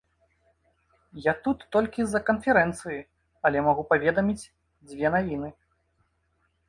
Я тут толькі з-за канферэнцыі, але магу паведаміць дзве навіны.